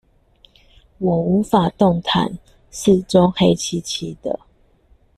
我無法動彈，四周黑漆漆的